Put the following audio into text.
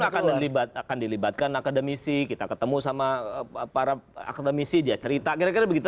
betul kan biasanya kan akan dilibatkan akademisi kita ketemu sama para akademisi dia cerita kira kira begitu